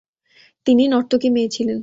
তিনি নর্তকী মেয়ে ছিলেন।